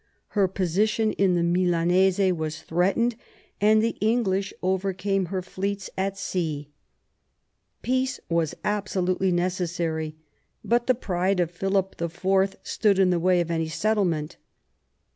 Her position in the Milanese was threatened, and the English over came her iSeets at sea. Peace was absolutely necessary ; but the pride of Philip IV. stood in the way of any settlement.